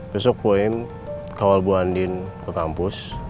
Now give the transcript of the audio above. besok puing kawal bu andin ke kampus